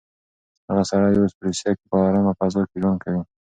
هغه سړی اوس په روسيه کې په ارامه فضا کې ژوند کوي.